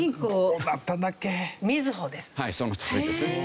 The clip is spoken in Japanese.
はいそのとおりですね。